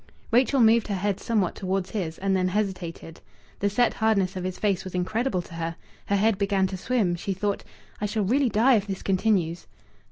Rachel moved her head somewhat towards his, and then hesitated. The set hardness of his face was incredible to her. Her head began to swim. She thought, "I shall really die if this continues."